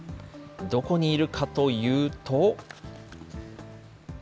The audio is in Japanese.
どこにいるかというと。